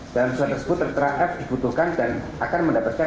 dan surat tersebut tertera f dibutuhkan dan akan mendapatkan